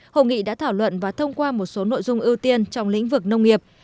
hội nghị đã thảo luận và thông qua một số nội dung ưu tiên trong lĩnh vực nông nghiệp